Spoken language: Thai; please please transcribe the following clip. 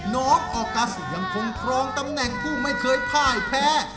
น้องออกัสยังคงครองตำแหน่งผู้ไม่เคยพ่ายแพ้